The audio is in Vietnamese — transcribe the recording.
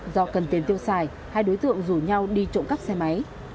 do cần tiền tiêu xài hai đối tượng rủ nhau đi trộm cắp xe máy